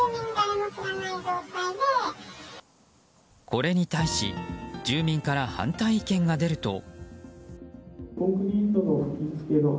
これに対し住民から反対意見が出ると。